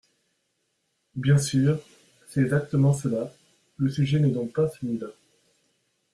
Bien sûr ! C’est exactement cela ! Le sujet n’est donc pas celui-là.